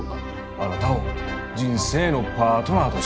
あなたを人生のパートナーとして迎えたい。